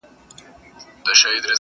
غوجله تياره فضا لري ډېره-